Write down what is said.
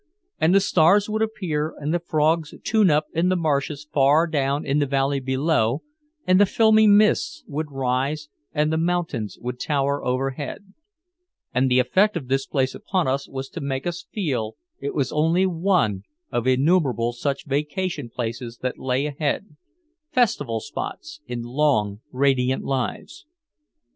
And the stars would appear and the frogs tune up in the marshes far down in the valley below, and the filmy mists would rise and the mountains would tower overhead. And the effect of this place upon us was to make us feel it was only one of innumerable such vacation places that lay ahead, festival spots in long, radiant lives.